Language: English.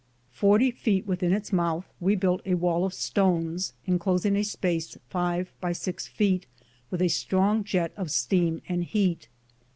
Forty feet within its mouth we built a wall of stones, inclosing a space five by six feet around a strong jet of steam and heat.